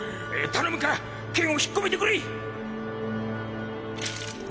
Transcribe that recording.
頼むから剣を引っ込めてくれ。